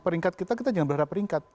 peringkat kita kita jangan berharap peringkat